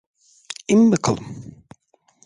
İn bakalım.